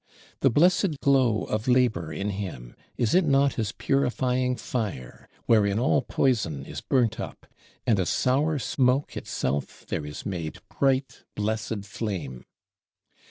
The blessed glow of Labor in him, is it not as purifying fire, wherein all poison is burnt up, and of sour smoke itself there is made bright blessed flame!